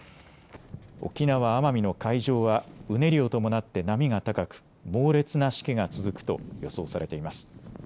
沖縄・奄美の海上はうねりを伴って波が高く、猛烈なしけが続くと予想されています。